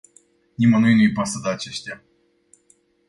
Nimănui nu îi pasă de aceștia.